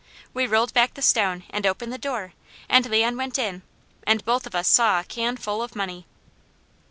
We rolled back the stone, and opened the door, and Leon went in, and both of us saw a can full of money."